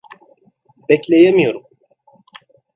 Bekleyemiyorum.